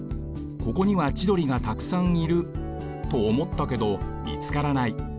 ここには千鳥がたくさんいるとおもったけどみつからない。